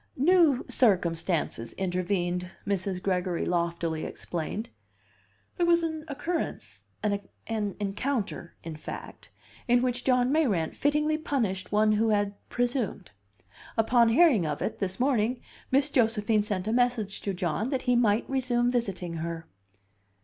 "New circumstances intervened," Mrs. Gregory loftily explained. "There was an occurrence an encounter, in fact in which John Mayrant fittingly punished one who had presumed. Upon hearing of it, this morning, Miss Josephine sent a message to John that he might resume visiting her.